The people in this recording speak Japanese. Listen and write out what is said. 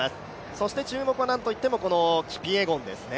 そして注目はなんといってもこのキピエゴンですね。